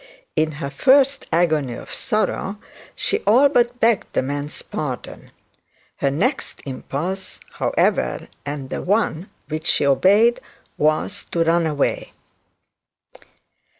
In her first agony of sorrow she all but begged the man's pardon. Her next impulse, however, and the one which she obeyed, was to run away.